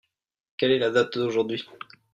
Quel est la date d'aujourd'hui ?